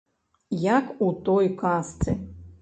Як у той казцы.